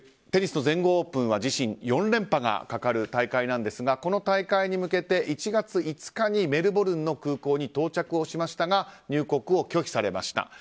テニスの全豪オープンは自身４連覇がかかる大会ですがこの大会に向けて１月５日にメルボルンの空港に到着をしましたが入国を拒否されました。